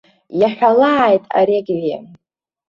Иаҳәалааит ареквием.